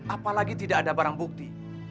apalagi tidak ada barang bukti